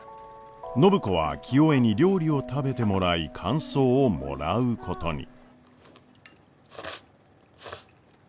暢子は清恵に料理を食べてもらい感想をもらうことに。